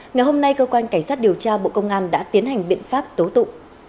ngày hôm nay cơ quan cảnh sát điều tra bộ công an đã tiến hành biện pháp tố tụ